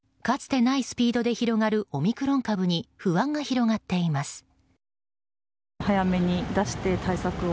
かつてないスピードで広がるオミクロン株に不安が広がっています。